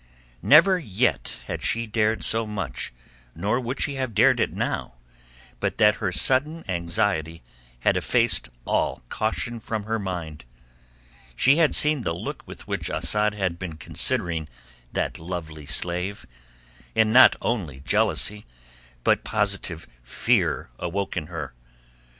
Never yet had she dared so much nor would she have dared it now but that her sudden anxiety had effaced all caution from her mind. She had seen the look with which Asad had been considering that lovely slave, and not only jealousy but positive fear awoke in her.